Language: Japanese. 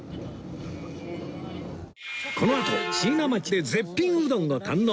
このあと椎名町で絶品うどんを堪能